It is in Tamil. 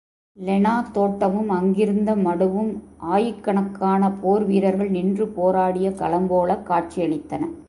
லெனா தோட்டமும், அங்கிருந்த மடுவும் ஆயிக்கணக்கான போர் வீரர்கள் நின்று போராடிய களம் போலக் காட்சியளித்தன.